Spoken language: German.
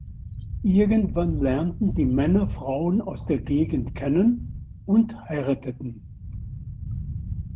Irgendwann lernten die Männer Frauen aus der Gegend kennen und heirateten.